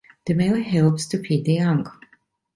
The male helps to feed the young.